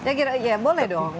ya boleh dong